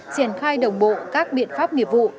triển khai đồng bộ các biện pháp nghiệp vụ